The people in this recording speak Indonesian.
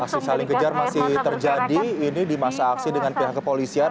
aksi saling kejar masih terjadi ini di masa aksi dengan pihak kepolisian